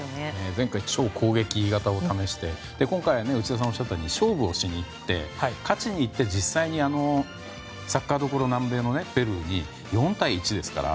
前回、超攻撃型を試して今回、内田さんがおっしゃったように勝負をしに行って勝ちにいって実際にサッカーどころの南米のペルーに４対１ですから。